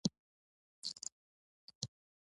• دښمني د مهربانۍ ضد ده.